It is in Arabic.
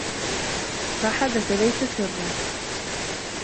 ما حدث ليس سرًّا.